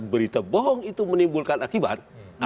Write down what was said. berita bohong itu menimbulkan akibat